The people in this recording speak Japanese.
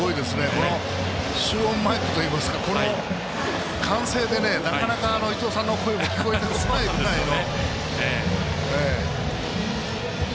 この集音マイクといいますかこの歓声でなかなか伊藤さんの声も聞こえてこないんですよ。